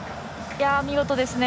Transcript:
見事ですね。